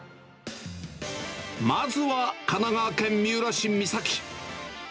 まずは神奈川県三浦市三崎。